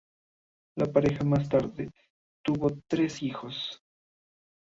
La pareja más tarde tuvo tres hijos.